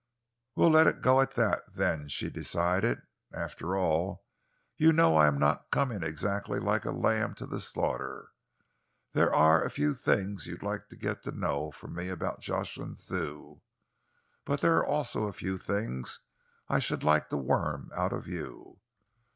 "We'll let it go at that, then," she decided. "After all, you know, I am not coming exactly like a lamb to the slaughter. There are a few things you'd like to get to know from me about Jocelyn Thew, but there are also a few things I should like to worm out of you.